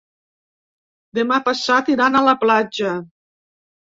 Demà passat iran a la platja.